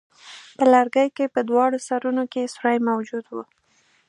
په لرګي کې په دواړو سرونو کې سوری موجود وو.